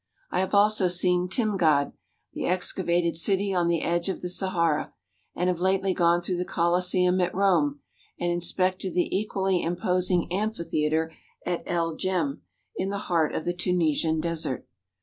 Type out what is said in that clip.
I have also seen Timgad, the excavated city on the edge of the Sahara, and have lately gone through the Colosseum at Rome and inspected the equally imposing amphitheatre at El Djem in the heart of the Tunisian desert.